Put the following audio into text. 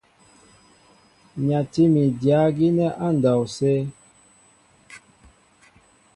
Nyatí mi dyǎ gínɛ́ á ndɔw sə.